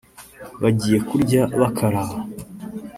bagiye kurya bakaraba